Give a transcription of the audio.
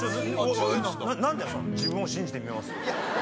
その「自分を信じてみます」って。